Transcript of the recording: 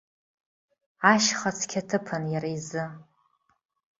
Ашьха цқьаҭыԥын иара изы.